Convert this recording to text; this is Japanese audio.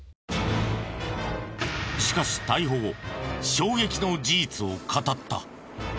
しかし逮捕後衝撃の事実を語った。